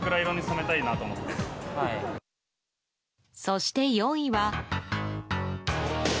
そして、４位は。